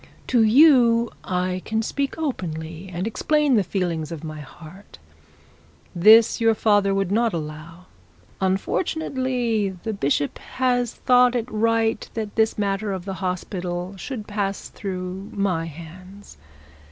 'To you I can speak openly, and explain the feelings of my heart. This your father would not allow. Unfortunately the bishop has thought it right that this matter of the hospital should pass through my hands.